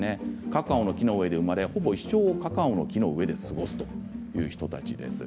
カカオの木の上で生まれほぼ一生をカカオの木の上で過ごすという人たちです。